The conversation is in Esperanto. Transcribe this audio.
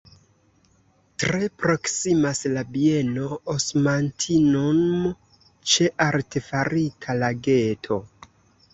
Tre proksimas la bieno "Osmantinum" ĉe artefarita lageto.